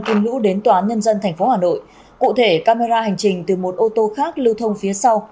khi lũ đến tòa án nhân dân tp hà nội cụ thể camera hành trình từ một ô tô khác lưu thông phía sau